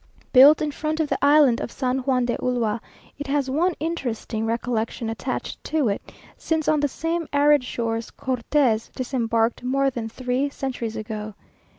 Built in front of the island of San Juan de Ulua, it has one interesting recollection attached to it, since on the same arid shores, Cortes disembarked more than three centuries ago.